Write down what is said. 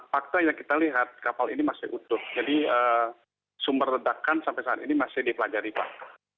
fakta yang kita lihat kapal ini masih utuh jadi sumber ledakan sampai saat ini masih dipelajari pak